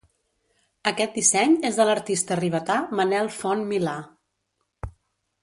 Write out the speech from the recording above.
Aquest disseny és de l'artista ribetà Manel Font Milà.